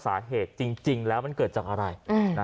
สาเหตุจริงแล้วมันเกิดจากอะไร